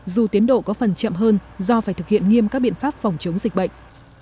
dù tiến độ có phần chậm hơn do phải thực hiện nghiêm các biện pháp phòng chống dịch bệnh